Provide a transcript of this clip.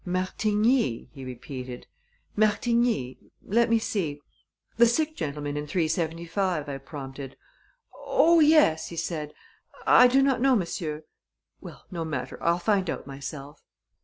"Martigny?" he repeated. "Martigny? Let me see." "The sick gentleman in 375," I prompted. "Oh, yes," he said. "I do not know, monsieur." "Well, no matter. I'll find out myself."